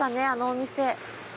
あのお店。